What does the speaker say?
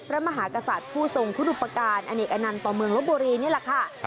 พระมหากษัตริย์ผู้ทรงคุณอุปการณ์อเนกอนันต์ต่อเมืองลบบุรีนี่แหละค่ะ